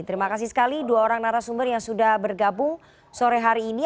terima kasih sekali dua orang narasumber yang sudah bergabung sore hari ini